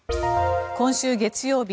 今週月曜日